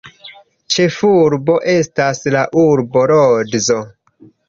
Ĉefurbo estas la urbo Lodzo.